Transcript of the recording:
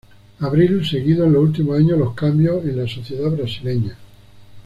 Abril seguido en los últimos años los cambios en la sociedad brasileña.